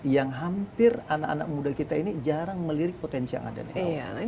yang hampir anak anak muda kita ini jarang melirik potensi yang ada di indonesia